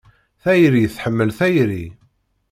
Tayri tḥemmel tayri.